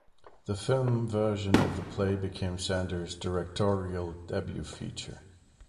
The film version of the play became Sander's directorial debut feature.